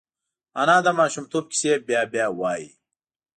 انا د ماشومتوب کیسې بیا بیا وايي